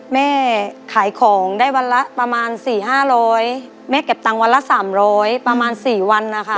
แม่ขายของได้วันละประมาณสี่ห้าร้อยแม่เก็บตังค์วันละสามร้อยประมาณสี่วันอะค่ะ